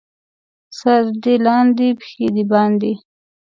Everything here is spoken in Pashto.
سر دې لاندې، پښې دې باندې.